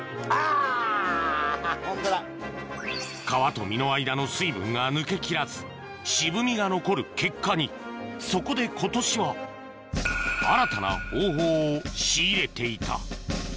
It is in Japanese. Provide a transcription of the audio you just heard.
皮と実の間の水分が抜けきらず渋みが残る結果にそこで今年は新たな方法を仕入れていた